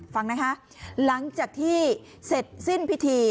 ฟังนะคะหลังจากที่เสร็จสิ้นพิธี